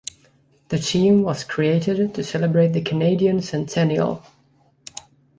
The team was created to celebrate the Canadian Centennial.